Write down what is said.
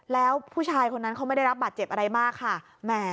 แล้วผู้ชายคนนั้นเขาไม่ได้รับบาดเจ็บอะไรมากค่ะ